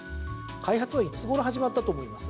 開発はいつごろ始まったと思います？